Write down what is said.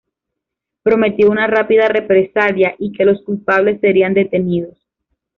Prometió una rápida represalia y que los culpables serían detenidos.